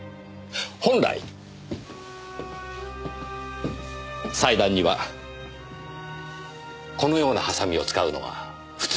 本来裁断にはこのようなハサミを使うのが普通です。